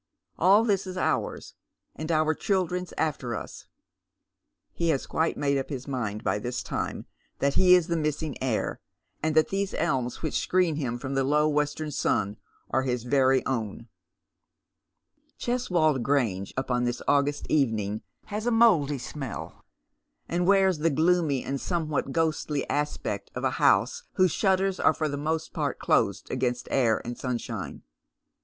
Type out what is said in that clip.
All this is ours, and our children's after us!" He has quite made up his mind by this time that he is the missing heir, and that these elms which screen him from the low western sun are his very own, Cheswold Grange upon this August evening has a mouldy smell, and wears the gloomy and somewhat ghostly aspect of a house whose shutters are for the most part closed against air and sunshine.